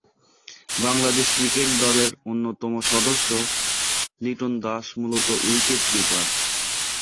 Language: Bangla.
বাংলাদেশ ক্রিকেট দলের অন্যতম সদস্য লিটন দাস মূলত উইকেট-কিপার।